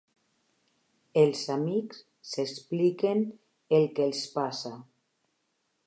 Els amics s'expliquen el que els passa.